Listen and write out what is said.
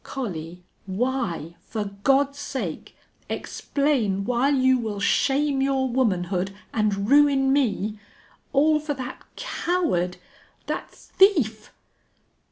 "Collie, why? For God's sake, explain why you will shame your womanhood and ruin me all for that coward that thief?"